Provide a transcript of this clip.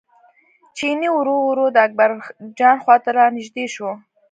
چیني ورو ورو د اکبرجان خواته را نژدې شو.